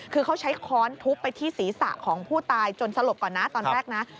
คือเขาใช้ค้อนทุบไปที่ศีรษะของผู้ตายจนสลบก่อนนะตอนแรกนะ